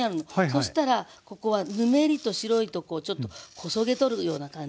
そしたらここはぬめりと白いとこをちょっとこそげ取るような感じ。